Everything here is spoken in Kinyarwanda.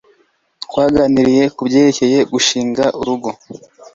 Twaganiriye kubyerekeye gushinga urugo.